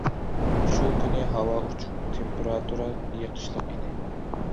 شۇ كۈنى ھاۋا ئوچۇق، تېمپېراتۇرا يېقىشلىق ئىدى.